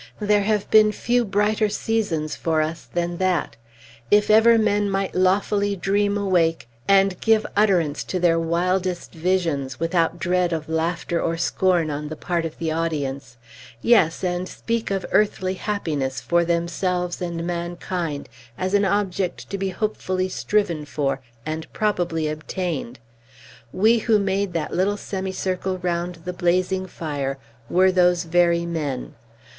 There have been few brighter seasons for us than that. If ever men might lawfully dream awake, and give utterance to their wildest visions without dread of laughter or scorn on the part of the audience, yes, and speak of earthly happiness, for themselves and mankind, as an object to be hopefully striven for, and probably attained, we who made that little semicircle round the blazing fire were those very men.